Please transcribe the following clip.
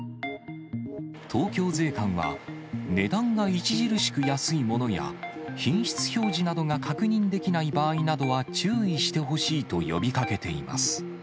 東京税関は、値段が著しく安いものや、品質表示などが確認できない場合などは注意してほしいと呼びかけています。